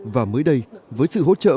và mới đây với sự hỗ trợ